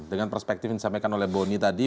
dengan perspektif yang disampaikan oleh boni tadi